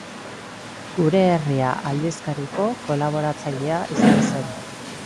Gure Herria aldizkariko kolaboratzailea izan zen.